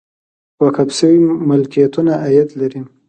وقف شوي ملکیتونه عاید لري